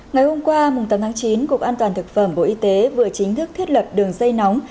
ngày hôm qua tám tháng chín cục an toàn thực phẩm bộ y tế vừa chính thức thiết lập đường dây nóng